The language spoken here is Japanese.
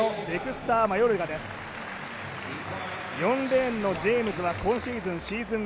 ４レーンのジェームズは今シーズン、シーズン